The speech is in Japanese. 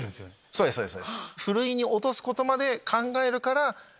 そうですそうです。